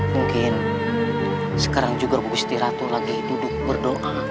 mungkin sekarang juga bu siti ratu lagi duduk berdoa